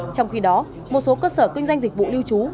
trong khi đó một số cơ sở kinh doanh dịch vụ lưu trú